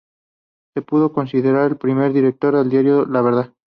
Se puede considerar el primer director del diario La Verdad.